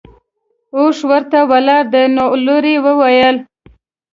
اوښ ورته ولاړ دی نو لور یې وویل.